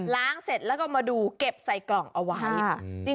เสร็จแล้วก็มาดูเก็บใส่กล่องเอาไว้